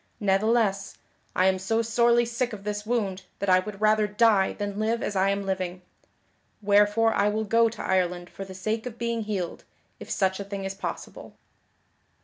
Ne'theless, I am so sorely sick of this wound that I would rather die than live as I am living; wherefore I will go to Ireland for the sake of being healed, if such a thing is possible."